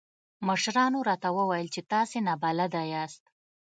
مشرانو راته وويل چې تاسې نابلده ياست.